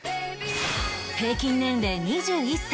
平均年齢２１歳